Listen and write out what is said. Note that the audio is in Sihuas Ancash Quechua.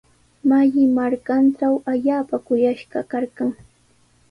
Malli markantraw allaapa kuyashqa karqan.